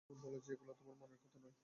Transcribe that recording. বলো যে এগুলো তোমার মনের কথা নয়?